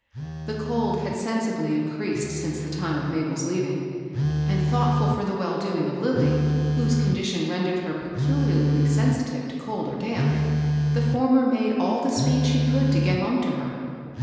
The cold had sensibly increased since the time of Mabel's leaving ; and, thoughtftj for the well doing of Lilly, whose condition rendered her pe COLD NOVEMBER. 191 culiarly sensitive to cold or damp, the former made , all the speed she could to get home to her.